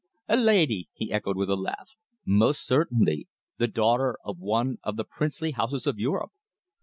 "A lady!" he echoed with a laugh. "Most certainly the daughter of one of the princely houses of Europe."